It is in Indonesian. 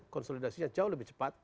konsolidasinya jauh lebih cepat